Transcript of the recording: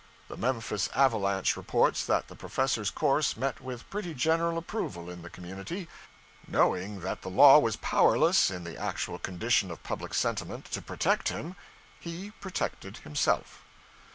The 'Memphis Avalanche' reports that the Professor's course met with pretty general approval in the community; knowing that the law was powerless, in the actual condition of public sentiment, to protect him, he protected himself.